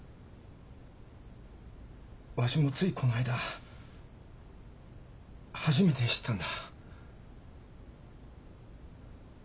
わしもついこの間初めて知ったんだ。